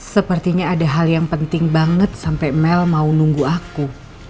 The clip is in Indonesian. sepertinya ada hal yang penting banget sampai mel mau nunggu aku